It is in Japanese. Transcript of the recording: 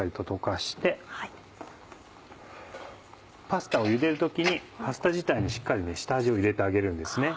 パスタをゆでる時にパスタ自体にしっかり下味を入れてあげるんですね。